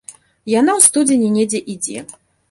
Яна ў студзені недзе ідзе.